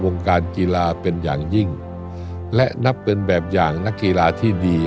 การกีฬาเป็นอย่างยิ่งและนับเป็นแบบอย่างนักกีฬาที่ดี